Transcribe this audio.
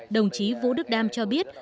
đồng chí vũ đức đam cho biết